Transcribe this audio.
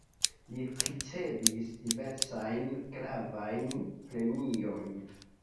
Li ricevis diversajn gravajn premiojn.